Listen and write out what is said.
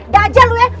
dajjal lu ya